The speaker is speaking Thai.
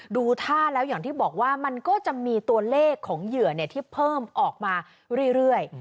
ดูท่าแล้วอย่างที่บอกว่ามันก็จะมีตัวเลขของเหยื่อที่เพิ่มออกมาเรื่อย